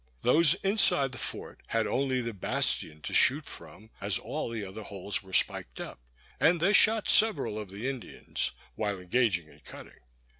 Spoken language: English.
Those inside the fort had only the bastion to shoot from, as all the other holes were spiked up; and they shot several of the Indians, while engaged in cutting.